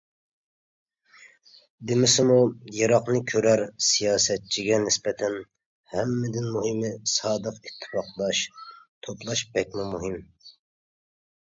دېمىسىمۇ يىراقنى كۆرەر سىياسەتچىگە نىسبەتەن ھەممىدىن مۇھىمى سادىق ئىتتىپاقداش توپلاش بەكمۇ مۇھىم.